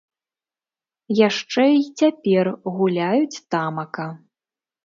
Яшчэ й цяпер гуляюць тамака.